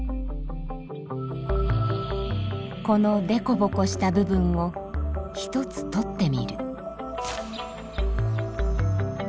このでこぼこした部分を１つ取ってみる。